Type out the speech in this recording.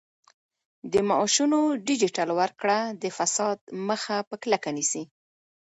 د معاشونو ډیجیټل ورکړه د فساد مخه په کلکه نیسي.